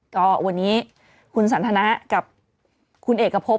ก็วันนี้คุณสันทนะกับคุณเอกพบ